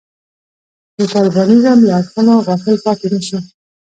د طالبانیزم له اړخونو غافل پاتې نه شو.